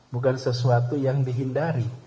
bukan sesuatu yang dihindari